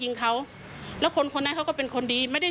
โยต้องกล้าภาษณ์อยากให้คุณผู้ชมได้ฟัง